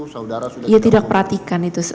saudara sudah cium iya tidak perhatikan itu